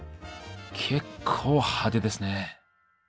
結構派手ですね。